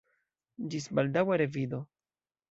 Ĝis baldaŭa revido!